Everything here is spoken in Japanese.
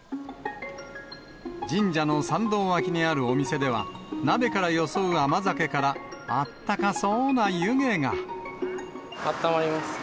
神社の参道脇にあるお店では、鍋からよそう甘酒から、あったまります。